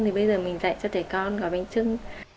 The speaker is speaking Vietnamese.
thì bây giờ mình dạy cho thầy con gói bánh trưng